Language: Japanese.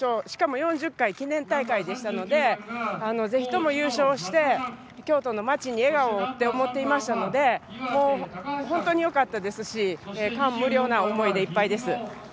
しかも４０回記念大会でしたのでぜひとも優勝して京都の街に笑顔をと思っていましたので本当によかったですし感無量な思いでいっぱいです。